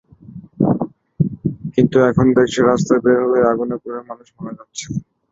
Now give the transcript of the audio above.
কিন্তু এখন দেখছি রাস্তায় বের হলেই আগুনে পুড়ে মানুষ মারা যাচ্ছে।